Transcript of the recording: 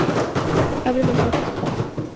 Abre los ojos.